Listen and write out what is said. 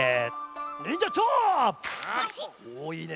おいいね。